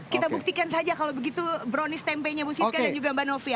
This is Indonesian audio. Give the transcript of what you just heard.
kita buktikan saja kalau begitu brownies tempenya bu siska dan juga mbak novi